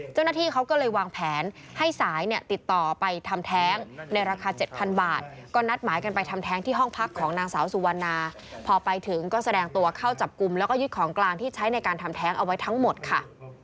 เจ้าหน้าที่เขาก็เลยวางแผนให้สายเนี่ยติดต่อไปทำแท้งในราคา๗๐๐บาทก็นัดหมายกันไปทำแท้งที่ห้องพักของนางสาวสุวรรณาพอไปถึงก็แสดงตัวเข้าจับกลุ่มแล้วก็ยึดของกลางที่ใช้ในการทำแท้งเอาไว้ทั้งหมดค่ะ